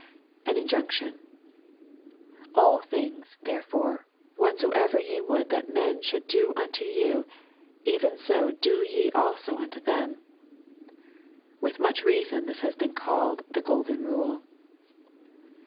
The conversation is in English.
An iKJUWonoN. "All things, therefore, whatsoever ye would that men should do unto you, even bo do ye also unto them." With much reason this has been called "The Golden Kule."